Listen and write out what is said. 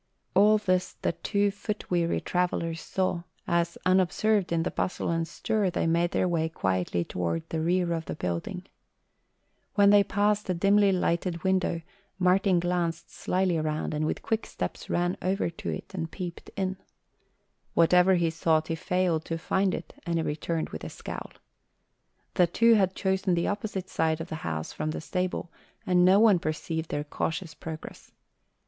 All this the two foot weary travellers saw, as unobserved in the bustle and stir, they made their way quietly toward the rear of the building. When they passed a dimly lighted window Martin glanced slyly around and with quick steps ran over to it and peeped in. Whatever he sought, he failed to find it, and he returned with a scowl. The two had chosen the opposite side of the house from the stable and no one perceived their cautious progress.